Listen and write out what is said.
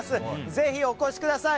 ぜひお越しください。